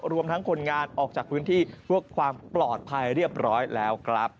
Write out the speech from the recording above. รวมทั้งคนงานออกจากพื้นที่เพื่อความปลอดภัยเรียบร้อยแล้วครับ